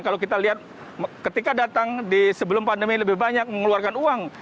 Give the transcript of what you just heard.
kalau kita lihat ketika datang sebelum pandemi lebih banyak mengeluarkan uang